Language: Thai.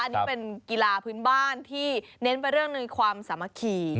อันนี้เป็นกีฬาพื้นบ้านที่เน้นไปเรื่องหนึ่งความสามัคคี